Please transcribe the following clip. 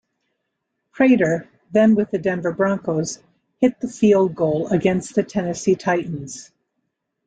Prater, then with the Denver Broncos, hit the field goal against the Tennessee Titans.